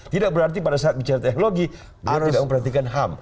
tidak berarti pada saat bicara teknologi dia tidak memperhatikan ham